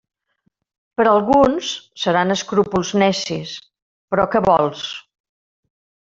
Per a alguns seran escrúpols necis, però què vols?